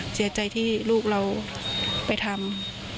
เสียใจที่ลูกเราไปทำ